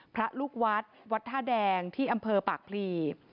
พระลูกวัดวัดท่าแดงที่อำเภอปากพลี